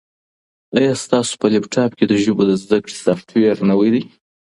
ایا ستا په لیپټاپ کي د ژبو د زده کړې سافټویر نوی دی؟